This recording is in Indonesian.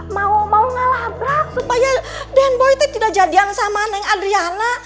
mau mau ngelabrak supaya denboy teh tidak jadi yang sama dengan adriana